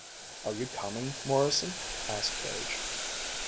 "Are you coming, Morrison?" asked Page.